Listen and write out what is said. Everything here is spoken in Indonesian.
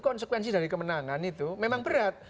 konsekuensi dari kemenangan itu memang berat